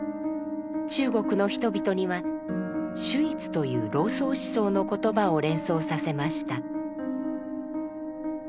中国の人々には「守一」という老荘思想の言葉を連想させました。